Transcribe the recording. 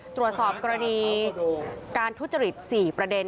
ตรวจสอบกรณีการทุจริต๔ประเด็น